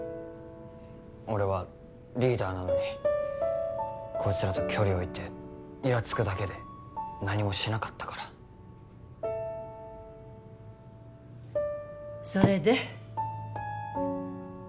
俺はリーダーなのにこいつらと距離を置いてイラつくだけで何もしなかったからそれで？